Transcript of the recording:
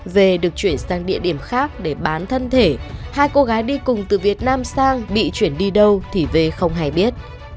về được chuyển sang địa điểm khác để bán thân thể hai cô gái đi cùng từ việt nam sang bị chuyển đi đâu thì v không hề biết